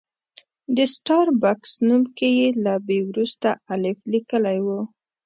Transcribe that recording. د سټار بکس نوم کې یې له بي وروسته الف لیکلی و.